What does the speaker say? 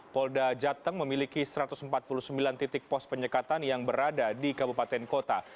polda jateng memiliki satu ratus empat puluh sembilan titik pos penyekatan yang berada di kabupaten kota